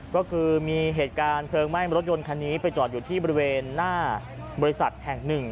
ก็คือมีเหตุการณ์เพลิงไหม้รถยนต์คันนี้ไปจอดอยู่ที่บริเวณหน้าบริษัทแห่งหนึ่ง